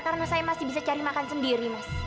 karena saya masih bisa cari makan sendiri mas